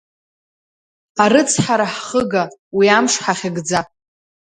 Арыцҳара ҳхыга, уи амш ҳахьыгӡа!